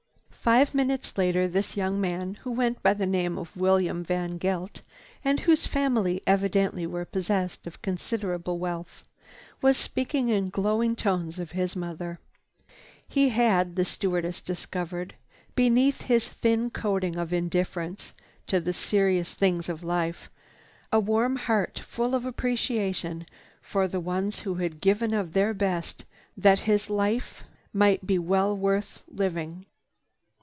Five minutes later this young man, who went by the name of William VanGeldt and whose family evidently were possessed of considerable wealth, was speaking in glowing tones of his mother. He had, the young stewardess discovered, beneath his thin coating of indifference to the serious things of life, a warm heart full of appreciation for the ones who had given of their best that his life might be well worth living.